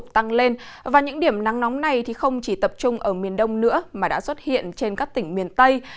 tiểm nắng nóng này không chỉ tập trung ở miền đông nữa mà đã xuất hiện trên các tỉnh miền tây